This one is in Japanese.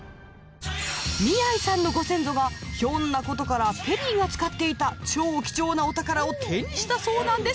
宮井さんのご先祖がひょんなことからペリーが使っていた超貴重なお宝を手にしたそうなんです。